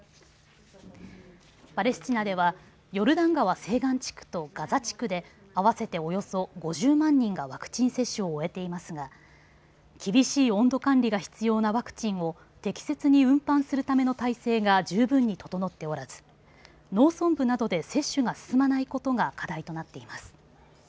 パレスチナではヨルダン川西岸地区とガザ地区で合わせておよそ５０万人がワクチン接種を終えていますが、厳しい温度管理が必要なワクチンを適切に運搬するための体制が十分に整っておらず農村部などで接種が進まないことが課題となっています。